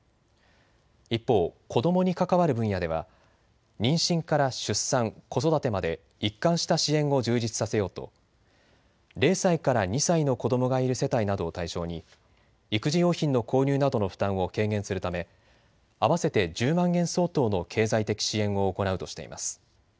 一方、子どもに関わる分野では妊娠から出産、子育てまで一貫した支援を充実させようと０歳から２歳の子どもがいる世帯などを対象に育児用品の購入などの負担を軽減するため合わせて１０万円相当の経済的支援を行うとしています。